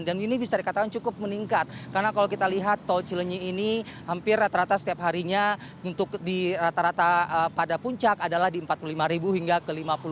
dan ini bisa dikatakan cukup meningkat karena kalau kita lihat tol cilny ini hampir rata rata setiap harinya untuk di rata rata pada puncak adalah di empat puluh lima hingga ke lima puluh